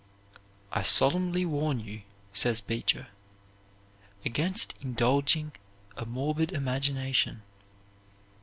"I solemnly warn you," says Beecher, "against indulging a morbid imagination.